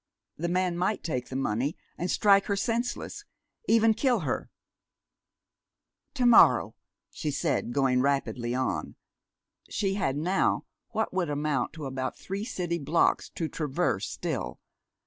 The man might take the money and strike her senseless, even kill her. "To morrow," she said, going rapidly on. She had now what would amount to about three city blocks to traverse still.